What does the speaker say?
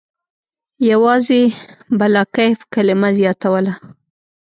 یوازې «بلاکیف» کلمه زیاتوله.